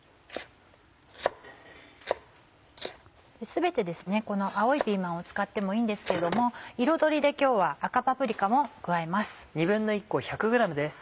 全てこの青いピーマンを使ってもいいんですけれども彩りで今日は赤パプリカも加えます。